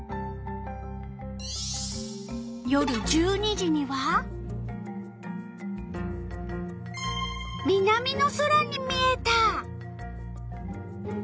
夜１２時には南の空に見えた。